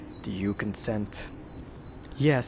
Do you consent?" "Yes.